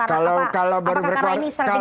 karena apakah karena ini strategi jualan